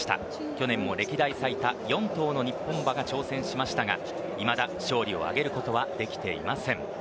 去年も歴代最多４頭の日本馬が挑戦しましたがいまだ勝利を挙げることはできていません。